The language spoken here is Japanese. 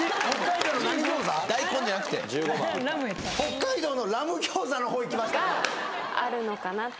北海道のラム餃子の方いきましたか